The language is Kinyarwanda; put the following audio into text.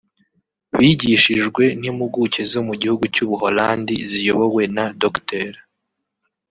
bigishijwe n’impuguke zo mu gihugu cy’u Buholandi ziyobowe na Dr